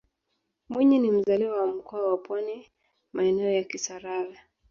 mwinyi ni mzalia wa mkoa wa pwani maeneo ya kisarawe